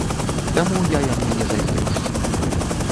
Таму я яму не зайздрошчу.